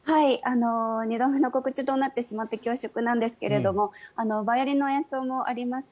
２度目の告知となってしまって恐縮なんですがバイオリンの演奏もあります